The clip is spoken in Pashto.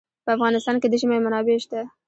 په افغانستان کې د ژمی منابع شته.